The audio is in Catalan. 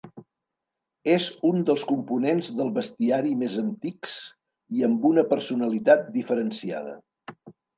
És un dels components del bestiari més antics i amb una personalitat diferenciada.